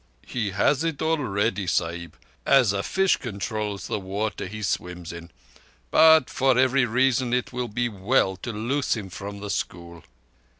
"He has it already, Sahib—as a fish controls the water he swims in. But for every reason it will be well to loose him from the school."